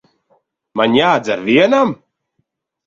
Man jādzer vienam?